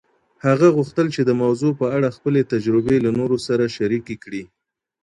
هغه غوښتل چي د موضوع په اړه خپلې تجربې له نورو سره شریکې کړي.